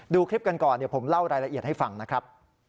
ดูคลิปกันก่อนเดี๋ยวผมเล่ารายละเอียดให้ฟังนะครับ